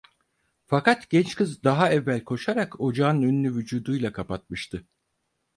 Fakat genç kız daha evvel koşarak ocağın önünü vücuduyla kapatmıştı.